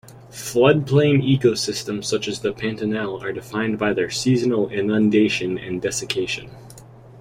Floodplain ecosystems such as the Pantanal are defined by their seasonal inundation and desiccation.